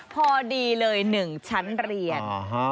พอดีเลย๑ชั้นเรียน